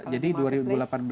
kalau di marketplace